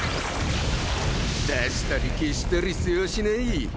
出したり消したりせわしない。